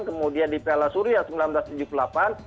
kemudian di piala surya seribu sembilan ratus tujuh puluh delapan